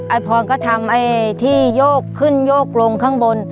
พรก็ทำไอ้ที่โยกขึ้นโยกลงข้างบน